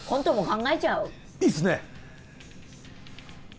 いいっすね。